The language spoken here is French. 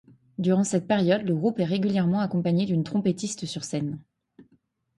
Durant cette période, le groupe est régulièrement accompagné d'un trompettiste sur scène.